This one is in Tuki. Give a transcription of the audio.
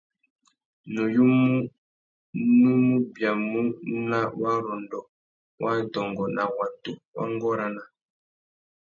Nuyumú nú mù biamú nà warrôndô wa adôngô na watu wa ngôranô.